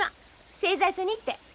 製材所に行って。